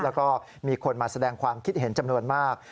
แล้วก็มีคนมาแสดงความคิดเห็นจำนวนมาก